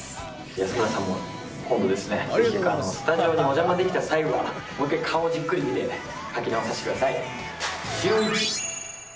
安村さんも今度ですね、スタジオにお邪魔できた際は、もう一回顔をじっくり見て、描き直させてください。